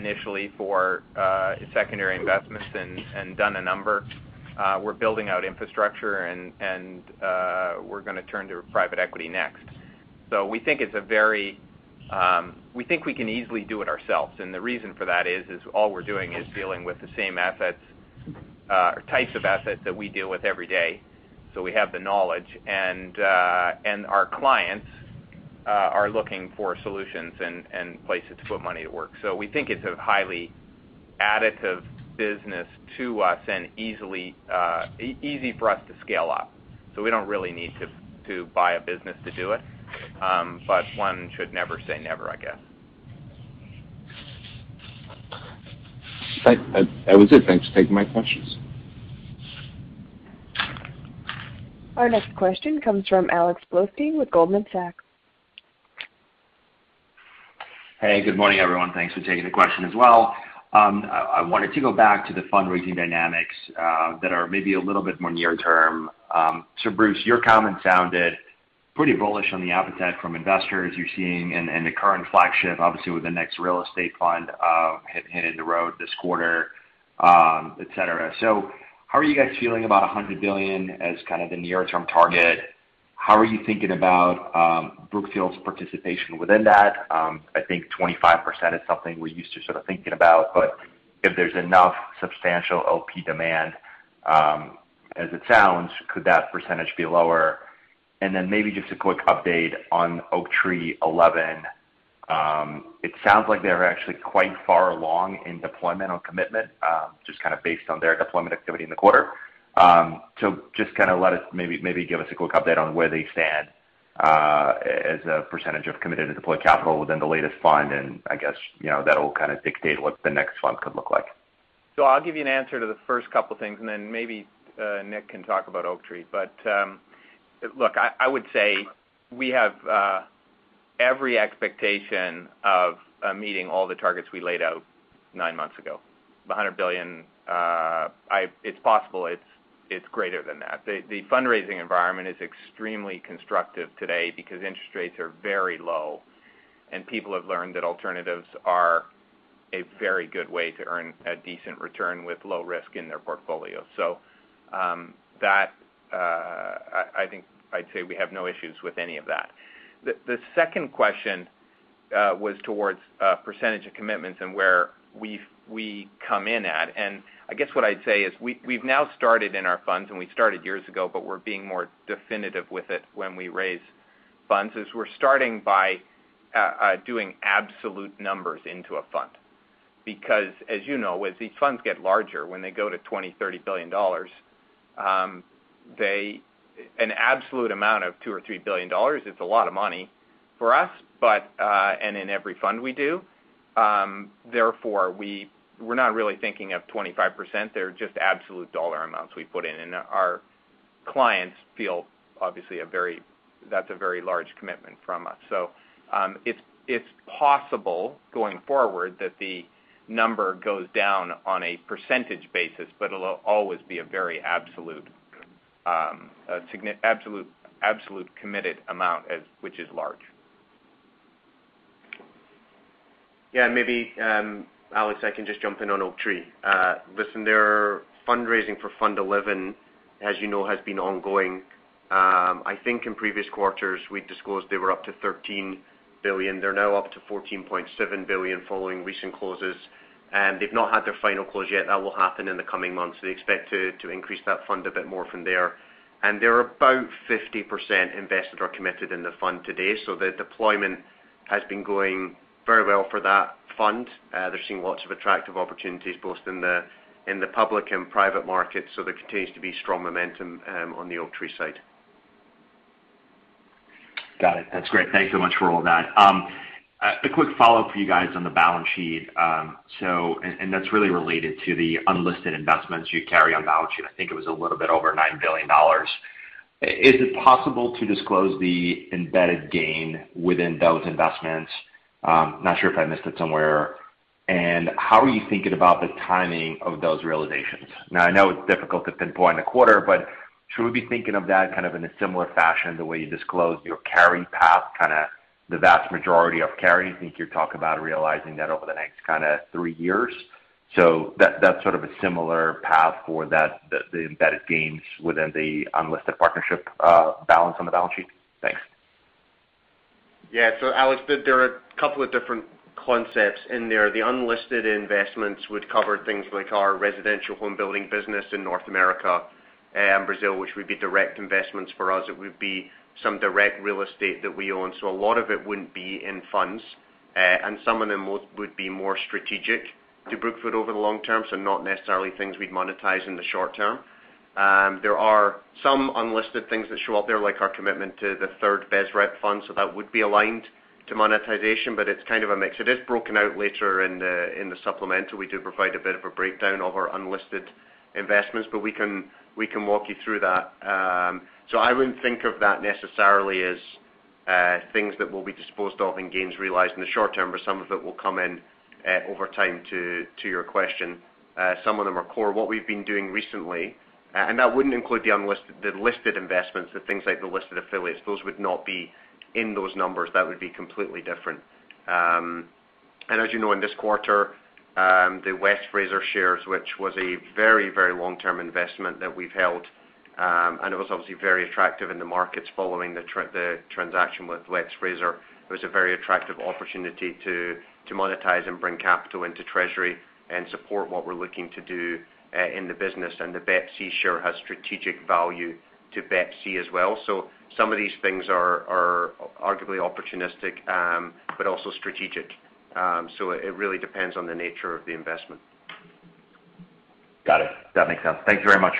initially for secondary investments and done a number. We're building out infrastructure, and we're going to turn to private equity next. We think we can easily do it ourselves. The reason for that is all we're doing is dealing with the same assets or types of assets that we deal with every day. We have the knowledge, and our clients are looking for solutions and places to put money to work. We think it's a highly additive business to us and easy for us to scale up. We don't really need to buy a business to do it. One should never say never, I guess. That was it. Thanks for taking my questions. Our next question comes from Alexander Blostein with Goldman Sachs. Hey, good morning, everyone. Thanks for taking the question as well. I wanted to go back to the fundraising dynamics that are maybe a little bit more near-term. Bruce, your comment sounded pretty bullish on the appetite from investors you're seeing and the current flagship, obviously, with the next real estate fund hitting the road this quarter, et cetera. How are you guys feeling about $100 billion as kind of the near-term target? How are you thinking about Brookfield's participation within that? I think 25% is something we're used to sort of thinking about, but if there's enough substantial LP demand as it sounds, could that percentage be lower? Then maybe just a quick update on Oaktree 11. It sounds like they're actually quite far along in deployment on commitment, just kind of based on their deployment activity in the quarter. Just kind of maybe give us a quick update on where they stand as a percentage of committed to deployed capital within the latest fund, and I guess that'll kind of dictate what the next fund could look like. I'll give you an answer to the first couple of things, and then maybe Nick can talk about Oaktree. Look, I would say we have every expectation of meeting all the targets we laid out nine months ago. The $100 billion, it's possible it's greater than that. The fundraising environment is extremely constructive today because interest rates are very low, and people have learned that alternatives are a very good way to earn a decent return with low risk in their portfolio. That, I think I'd say we have no issues with any of that. The second question was towards % of commitments and where we come in at. What I'd say is we've now started in our funds, and we started years ago, but we're being more definitive with it when we raise funds, is we're starting by doing absolute numbers into a fund. As you know, as these funds get larger, when they go to $20 billion, $30 billion, an absolute amount of $2 billion or $3 billion is a lot of money for us, and in every fund we do. We're not really thinking of 25%, they're just absolute dollar amounts we put in. Our clients feel, obviously, that's a very large commitment from us. It's possible, going forward, that the number goes down on a % basis, but it'll always be a very absolute committed amount, which is large. Yeah. Maybe, Alex, I can just jump in on Oaktree. Listen, their fundraising for Fund 11, as you know, has been ongoing. I think in previous quarters, we disclosed they were up to $13 billion. They're now up to $14.7 billion following recent closes. They've not had their final close yet. That will happen in the coming months. They expect to increase that fund a bit more from there. They're about 50% invested or committed in the fund to-date. The deployment has been going very well for that fund. They're seeing lots of attractive opportunities, both in the public and private market. There continues to be strong momentum on the Oaktree side. Got it. That's great. Thanks so much for all that. A quick follow-up for you guys on the balance sheet. That's really related to the unlisted investments you carry on the balance sheet. I think it was a little bit over $9 billion. Is it possible to disclose the embedded gain within those investments? Not sure if I missed it somewhere. How are you thinking about the timing of those realizations? I know it's difficult to pinpoint a quarter, but should we be thinking of that kind of in a similar fashion, the way you disclosed your carry path, kind of the vast majority of carry? I think you're talking about realizing that over the next kind of three years. That's sort of a similar path for the embedded gains within the unlisted partnership balance on the balance sheet. Thanks. Alex, there are a couple of different concepts in there. The unlisted investments would cover things like our residential home building business in North America and Brazil, which would be direct investments for us. It would be some direct real estate that we own. A lot of it wouldn't be in funds. Some of them would be more strategic to Brookfield over the long term, not necessarily things we'd monetize in the short term. There are some unlisted things that show up there, like our commitment to the third BSREP fund, that would be aligned to monetization, it's kind of a mix. It is broken out later in the supplemental. We do provide a bit of a breakdown of our unlisted investments, we can walk you through that. I wouldn't think of that necessarily as things that will be disposed of and gains realized in the short term, but some of it will come in over time, to your question. Some of them are core. What we've been doing recently, and that wouldn't include the listed investments, the things like the listed affiliates, those would not be in those numbers. That would be completely different. As you know, in this quarter, the West Fraser shares, which was a very long-term investment that we've held, and it was obviously very attractive in the markets following the transaction with West Fraser. It was a very attractive opportunity to monetize and bring capital into treasury and support what we're looking to do in the business. The BEPC share has strategic value to BEPC as well. Some of these things are arguably opportunistic, but also strategic. It really depends on the nature of the investment. Got it. That makes sense. Thank you very much.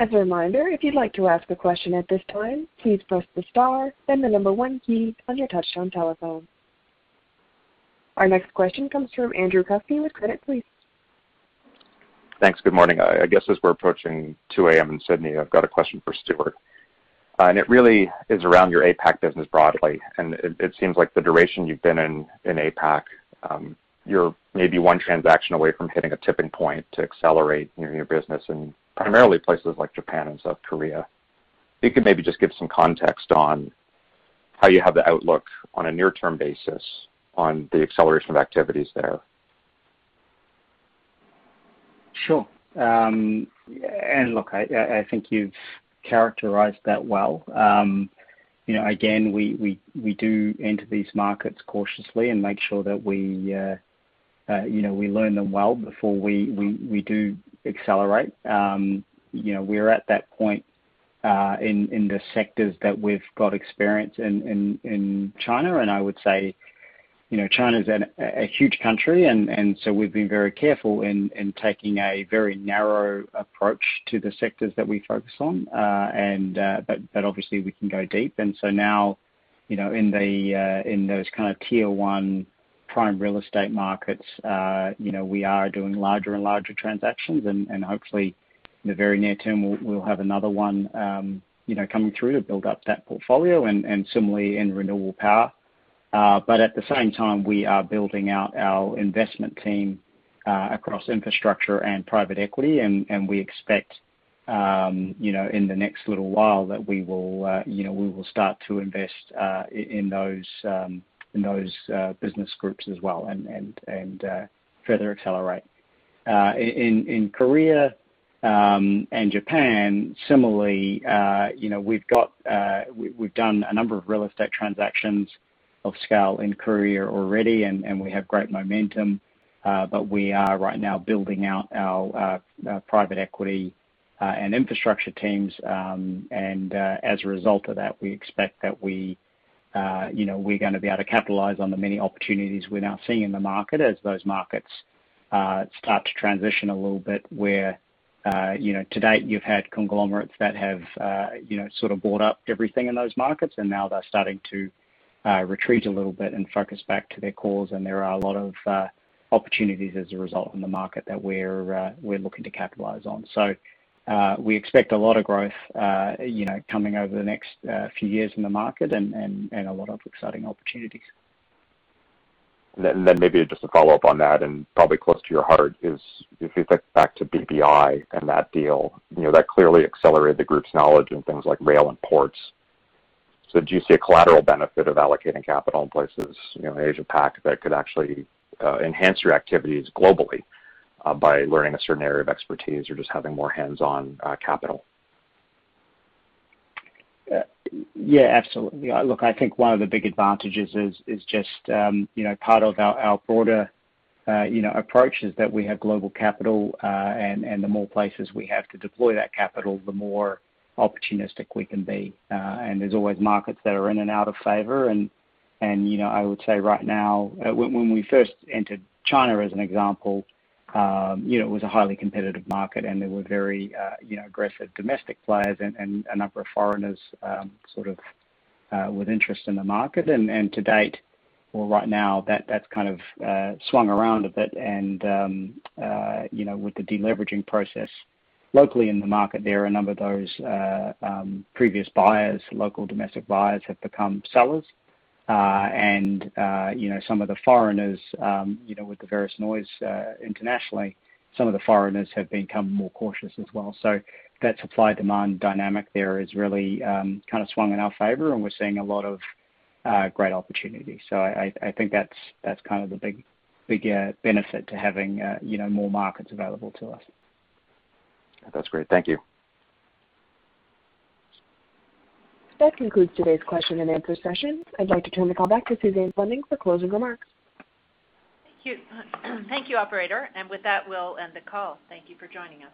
As a reminder, if you'd like to ask a question at this time, please press the star, then the number one key on your touch-tone telephone. Our next question comes from Andrew Kuske with Credit Suisse. Thanks. Good morning. I guess as we're approaching 2:00 A.M. in Sydney, I've got a question for Stewart. It really is around your APAC business broadly, and it seems like the duration you've been in APAC, you're maybe one transaction away from hitting a tipping point to accelerate your business in primarily places like Japan and South Korea. If you could maybe just give some context on how you have the outlook on a near-term basis on the acceleration of activities there. Sure. Look, I think you've characterized that well. Again, we do enter these markets cautiously and make sure that we learn them well before we do accelerate. We're at that point in the sectors that we've got experience in China, and I would say China's a huge country, and so we've been very careful in taking a very narrow approach to the sectors that we focus on. Obviously, we can go deep. Now, in those kind of tier 1 prime real estate markets, we are doing larger and larger transactions, and hopefully in the very near term, we'll have another one coming through to build up that portfolio, and similarly in renewable power. At the same time, we are building out our investment team across infrastructure and private equity, and we expect in the next little while that we will start to invest in those business groups as well and further accelerate. In Korea and Japan, similarly, we've done a number of real estate transactions of scale in Korea already, and we have great momentum, but we are right now building out our private equity and infrastructure teams. As a result of that, we expect that we're going to be able to capitalize on the many opportunities we're now seeing in the market as those markets start to transition a little bit, where to date you've had conglomerates that have sort of bought up everything in those markets, and now they're starting to retreat a little bit and focus back to their cores. There are a lot of opportunities as a result in the market that we're looking to capitalize on. We expect a lot of growth coming over the next few years in the market and a lot of exciting opportunities. Maybe just to follow up on that, and probably close to your heart is, if you think back to BBI and that deal, that clearly accelerated the group's knowledge in things like rail and ports. Do you see a collateral benefit of allocating capital in places, APAC, that could actually enhance your activities globally by learning a certain area of expertise or just having more hands-on capital? Yeah, absolutely. Look, I think one of the big advantages is just part of our broader approach is that we have global capital, and the more places we have to deploy that capital, the more opportunistic we can be. There's always markets that are in and out of favor. I would say right now, when we first entered China, as an example, it was a highly competitive market, and there were very aggressive domestic players and a number of foreigners sort of with interest in the market. To date or right now, that's kind of swung around a bit and with the deleveraging process locally in the market, there, a number of those previous buyers, local domestic buyers, have become sellers. Some of the foreigners with the various noise internationally, some of the foreigners have become more cautious as well. That supply-demand dynamic there has really kind of swung in our favor, and we're seeing a lot of great opportunities. I think that's kind of the big benefit to having more markets available to us. That's great. Thank you. That concludes today's question and answer session. I'd like to turn the call back to Suzanne Fleming for closing remarks. Thank you. Thank you, operator. With that, we'll end the call. Thank you for joining us.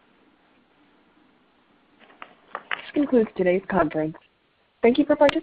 This concludes today's conference. Thank you for participating.